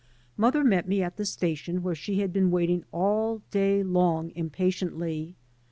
Mother met me at the station where she had been waiting all day long impatiently.